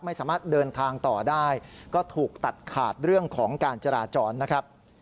ไม่สามารถเดินทางต่อได้ก็ถูกตัดขาดเรื่องของการจราจรนะครับ